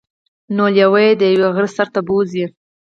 نو لیوه يې د یوه غره سر ته بوځي.